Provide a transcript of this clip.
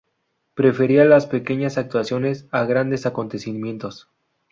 Prefería las pequeñas actuaciones a grandes acontecimientos.